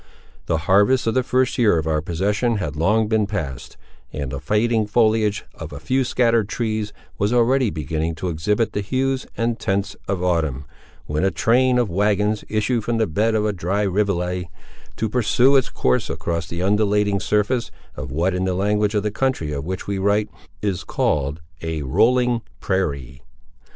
The harvest of the first year of our possession had long been passed, and the fading foliage of a few scattered trees was already beginning to exhibit the hues and tints of autumn, when a train of wagons issued from the bed of a dry rivulet, to pursue its course across the undulating surface, of what, in the language of the country of which we write, is called a "rolling prairie."